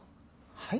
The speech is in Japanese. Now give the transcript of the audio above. はい？